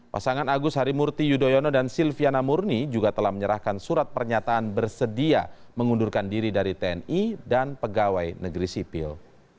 pasangan agus harimurti yudhoyono dan silviana murni juga telah menyerahkan surat pernyataan bersedia mengundurkan diri dari tni dan pegawai negeri sipil